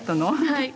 はい。